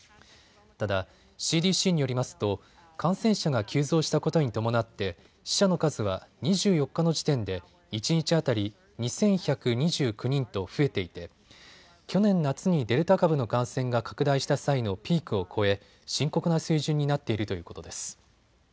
ただＣＤＣによりますと感染者が急増したことに伴って死者の数は２４日の時点で一日当たり２１２９人と増えていて去年夏にデルタ株の感染が拡大した際のピークを超え深刻な水準になっているということです。